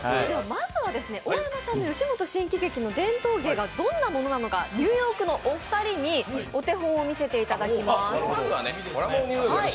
まずは幸澤さんに吉本新喜劇の伝統芸がどんなものかニューヨークのお二人にお手本を見せていただきます。